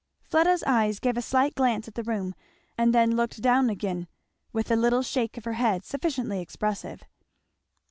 Fleda's eyes gave a slight glance at the room and then looked down again with a little shake of her head sufficiently expressive.